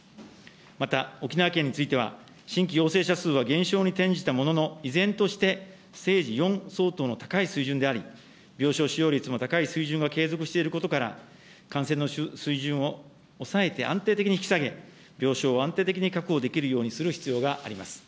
また、沖縄県については、新規陽性者数は減少に転じたものの、依然としてステージ４相当の高い水準であり、病床使用率も高い水準は継続していることから、感染の水準を抑えて安定的に引き下げ、病床を安定的に確保できるようにする必要があります。